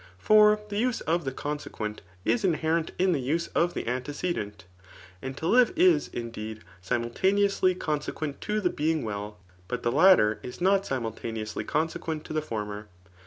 For the use of the consequent is inherent in the use of the antecedent ; and to five is, indeed, simul* taneously consequent to the being well, but the latter is not simultaneously consequent to the former.